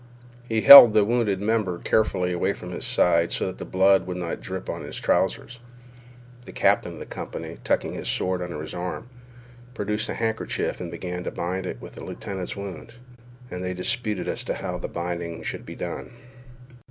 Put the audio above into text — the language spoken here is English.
He held the wounded member carefully away from his side so that the blood would not drip upon his trousers. The captain of the company, tucking his sword under his arm, produced a handkerchief and began to bind with it the lieutenant's wound. And they disputed as to how the binding should be done.